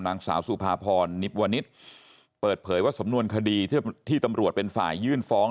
นางสาวสุภาพรนิบวนิษฐ์เปิดเผยว่าสำนวนคดีที่ตำรวจเป็นฝ่ายยื่นฟ้อง